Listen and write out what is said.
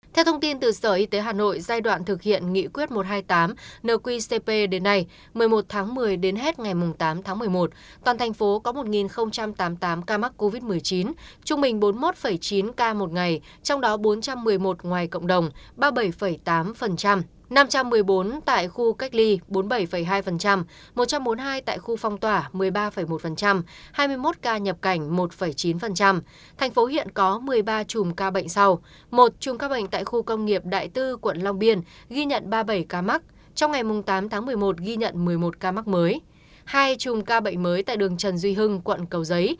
theo thông tin từ sở y tế hà nội giai đoạn thực hiện nghị quyết một trăm hai mươi tám nợ quy cp đến nay một mươi một tháng một mươi đến hết ngày tám tháng một mươi một toàn thành phố có một tám mươi tám ca mắc covid một mươi chín trung bình bốn mươi một chín năm trăm một mươi bốn tại khu cách ly bốn mươi bảy tám năm trăm một mươi bốn tại khu phong tỏa một mươi ba một năm trăm một mươi bốn tại khu phong tỏa một mươi ba một năm trăm một mươi bốn tại khu phong tỏa một mươi ba một năm trăm một mươi bốn tại khu phong tỏa một mươi ba một năm trăm một mươi bốn tại khu phong tỏa một mươi ba một năm trăm một mươi bốn tại khu phong tỏa một mươi ba một năm trăm một mươi bốn tại khu phong tỏa một mươi ba một năm trăm một mươi bốn tại khu phong tỏa một mươi ba một năm trăm một mươi bốn tại khu phong tỏa một mươi ba một năm trăm một mươi bốn